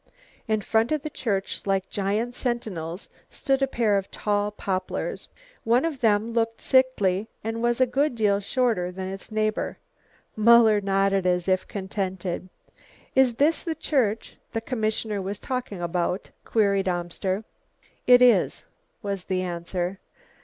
In front of the church, like giant sentinels, stood a pair of tall poplars. One of them looked sickly and was a good deal shorter than its neighbour. Muller nodded as if content. "Is this the church the commissioner was talking about?" queried Amster. "It is," was the answer.